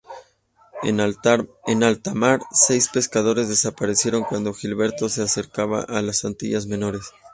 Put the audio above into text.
En alta mar, seis pescadores desaparecieron cuando Gilberto se acercaba a las Antillas Menores.